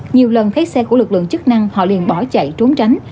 nhiều lần thấy xe của lực lượng chức năng họ liền bỏ chạy trốn tránh